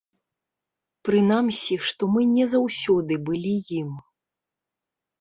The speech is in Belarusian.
Прынамсі, што мы не заўсёды былі ім.